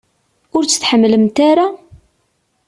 Ur tt-tḥemmlemt ara?